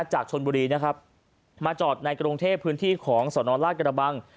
จากชนบุรีนะครับมาจอดในกรุงเทพพื้นที่ของสนราชกระบัง